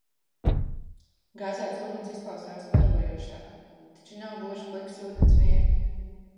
Gāzēts ūdens izklausās barojošāk. Taču nav gluži pliks ūdens vien!